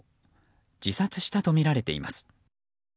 自殺したとみられています。